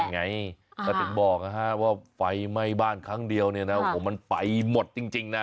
ก็ถึงบอกว่าไฟไหม้บ้านครั้งเดียวเนี่ยนะโอ้โหมันไปหมดจริงนะ